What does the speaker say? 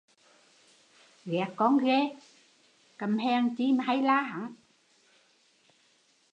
Ghét con ghê, câm hèn hay la hắn